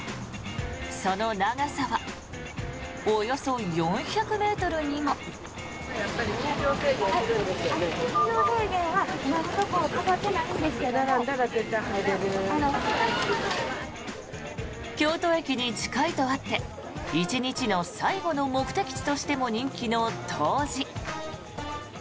その長さはおよそ４００ｍにも。京都駅に近いとあって１日の最後の目的地としても人気の東寺。